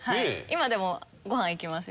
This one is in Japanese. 今でもご飯行きます